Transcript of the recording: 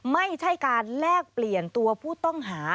ไม่ใช่การแลกเปลี่ยนตัวผู้ต้องหา